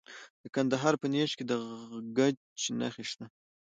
د کندهار په نیش کې د ګچ نښې شته.